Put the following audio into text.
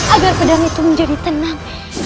agar pedang itu menjadi tenang